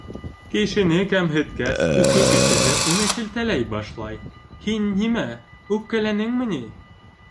Кешене кәмһеткәс, Өфө кешеһе уны шелтәләй башлай: «Һин нимә, үпкәләнеңме ни?»